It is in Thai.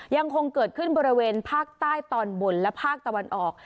ยังคงเกิดขึ้นบริเวณภาคใต้ตอนบนและภาคตะวันออก